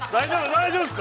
大丈夫ですか！？